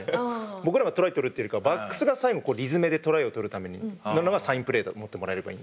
僕らがトライ取るというよりかバックスが最後理詰めでトライを取るためにというのがサインプレーだと思ってもらえればいいので。